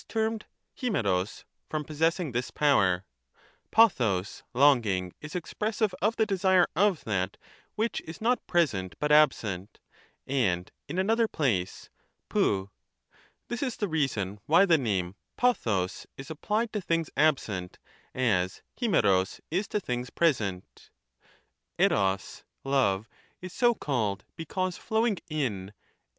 termed ifj, epo(: from possessmg this power ; ixodoq (longmg) is expressive of the desire of that which is not present but absent, and in another place {rtov) ; this is the reason why the name 7t66o<; is applied to things absent, as iiispog is to things present ; ^pcjc (love) is so called because flowing in «>«?